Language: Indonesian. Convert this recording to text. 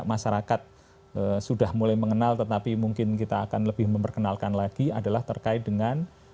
masyarakat sudah mulai mengenal tetapi mungkin kita akan lebih memperkenalkan lagi adalah terkait dengan